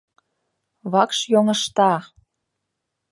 — Вакш йоҥышта!